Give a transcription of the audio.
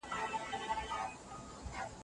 په تدریسي موادو کي اصلاحات راوستل کېږي.